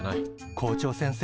校長先生